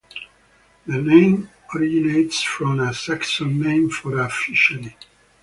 The name originates from a Saxon name for a fishery.